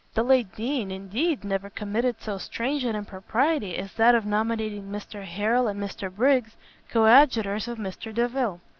The late Dean, indeed, never committed so strange an impropriety as that of nominating Mr Harrel and Mr Briggs coadjutors with Mr Delvile.